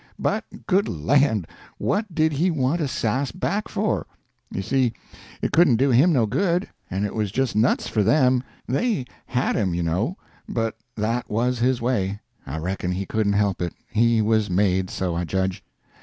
But, good land! what did he want to sass back for? You see, it couldn't do him no good, and it was just nuts for them. They had him, you know. But that was his way. I reckon he couldn't help it; he was made so, I judge.